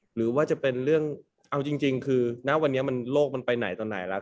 หรือว่าจะเป็นเรื่องเอาจริงคือณวันนี้โลกมันไปไหนต่อไหนแล้ว